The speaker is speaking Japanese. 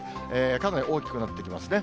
かなり大きくなってきますね。